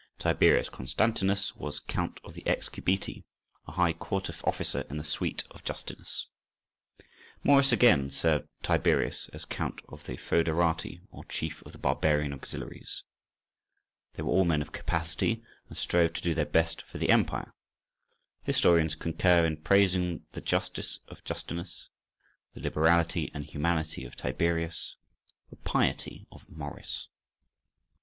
Tiberius Constantinus was "Count of the Excubiti," a high Court officer in the suite of Justinus: Maurice again served Tiberius as "Count of the Fœderati," or chief of the Barbarian auxiliaries. They were all men of capacity, and strove to do their best for the empire: historians concur in praising the justice of Justinus, the liberality and humanity of Tiberius, the piety of Maurice.